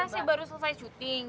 saya baru selesai syuting